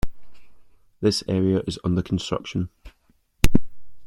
This area is under construction.